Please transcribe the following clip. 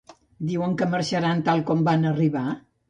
Diu que marxaran tal com van arribar?